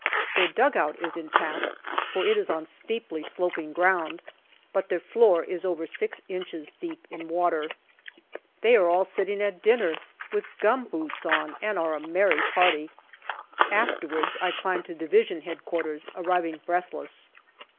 Their dugout is intact, for it is on steeply sloping ground, but their floor is over 6 inches deep in water. They are all sitting at dinner with gum boots on, and are a merry party. Afterwards I climb to D.H.Q., arriving breathless.